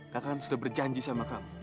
kakak kan sudah berjanji sama kamu